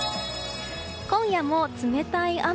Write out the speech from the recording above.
今夜も冷たい雨。